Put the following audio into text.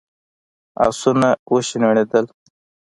آسونه وشڼېدل.